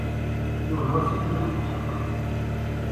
Yiwen n wass ad d-ibin lḥeqq.